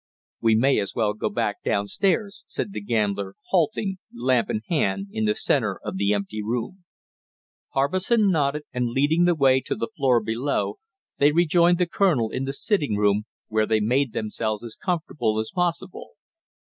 "We may as well go back down stairs," said the gambler, halting, lamp in hand, in the center of the empty room. Harbison nodded, and leading the way to the floor below, they rejoined the colonel in the sitting room, where they made themselves as comfortable as possible.